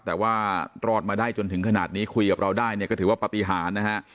แต่ว่ารอดมาได้จนถึงขนาดนี้คุยกับเราได้เนี่ยก็ถือว่าปฏิหารนะฮะ